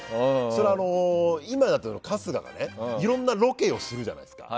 それは今だと春日が、いろんなロケをするじゃないですか。